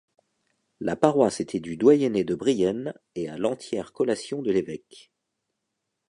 La paroisse était du doyenné de Brienne et à l'entière collation de l'évêque.